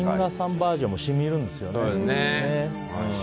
バージョンもしみるんですよね。